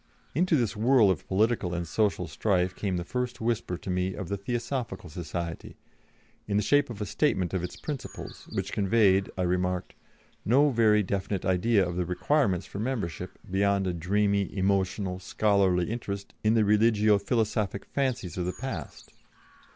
Into this whirl of political and social strife came the first whisper to me of the Theosophical Society, in the shape of a statement of its principles, which conveyed, I remarked, "no very definite idea of the requirements for membership, beyond a dreamy, emotional, scholarly interest in the religio philosophic fancies of the past."